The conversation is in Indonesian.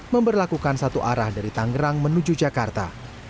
memperlakukan satu arah dari tangerang menuju jakarta